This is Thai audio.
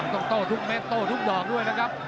โต้ทุกเม็ดโต้ทุกดอกด้วยนะครับ